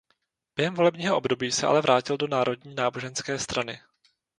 Během volebního období se ale vrátil do Národní náboženské strany.